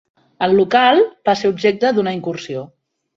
El local va ser objecte d'una incursió